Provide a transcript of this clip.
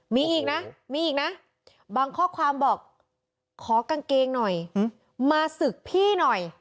มีอีกนะมีอีกนะบางข้อความบอกขอกางเกงหน่อยมาศึกพี่หน่อย